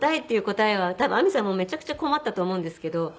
多分亜美さんもめちゃくちゃ困ったと思うんですけど。